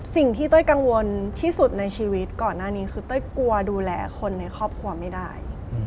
เต้ยกังวลที่สุดในชีวิตก่อนหน้านี้คือเต้ยกลัวดูแลคนในครอบครัวไม่ได้